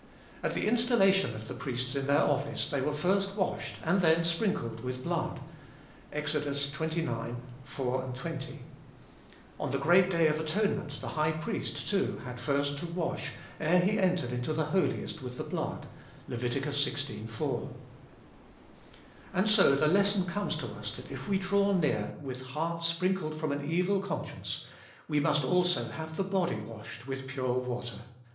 At the installation of the priests in their office they were first washed and then sprinkled with blood (Ex. xxix. 4, 20). On the great day of atonement the high priest, too, had first to wash ere he entered into the Holiest with the blood (Lev. xvi. 4). And so the lesson comes to us that if we draw near with hearts sprinkled from an evil conscience, we must also have the body washed with pure water.